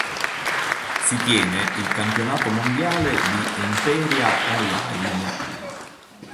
Si tiene il Campionato mondiale di Imperia Online.